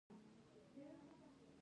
لیکوال د قلم ځواک لري.